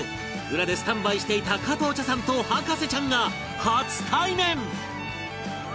裏でスタンバイしていた加藤茶さんと博士ちゃんが初対面！